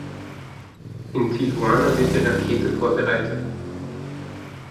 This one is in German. In Tijuana wird die Rakete vorbereitet.